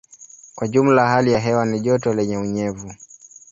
Kwa jumla hali ya hewa ni joto lenye unyevu.